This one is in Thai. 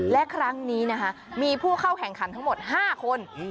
และครั้งนี้นะคะมีผู้เข้าแข่งขันทั้งหมด๕คน